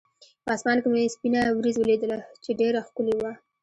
په اسمان کې مې سپینه ورېځ ولیدله، چې ډېره ښکلې وه.